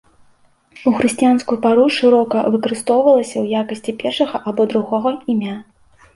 У хрысціянскую пару шырока выкарыстоўвалася ў якасці першага або другога імя.